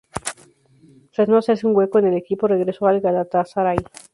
Tras no hacerse un hueco en el equipo, regresó al Galatasaray.